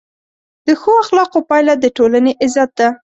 د ښو اخلاقو پایله د ټولنې عزت ده.